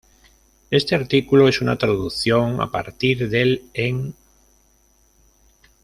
Este artículo es una traducción a partir del en